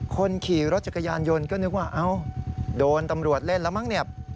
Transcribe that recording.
คนขี่รถจักรยานยนต์ก็นึกว่าเอ้าโดนตำรวจเล่นแล้วมั้งเนี่ย